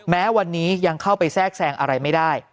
แม้วันนี้ยังเข้าไปแทรกแซงอะไรไม่ได้